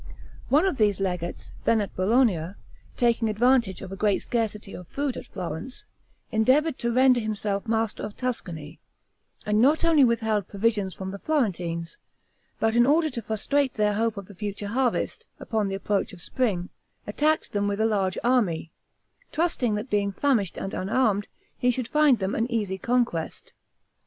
One of these legates, then at Bologna, taking advantage of a great scarcity of food at Florence, endeavored to render himself master of Tuscany, and not only withheld provisions from the Florentines, but in order to frustrate their hopes of the future harvest, upon the approach of spring, attacked them with a large army, trusting that being famished and unarmed, he should find them an easy conquest.